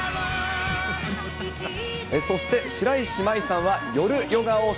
そして、白石麻衣さんは夜ヨガを